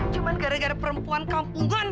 cuma gara gara perempuan kampungan